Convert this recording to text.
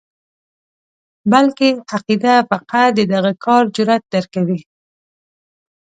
بلکې عقیده فقط د دغه کار جرأت درکوي.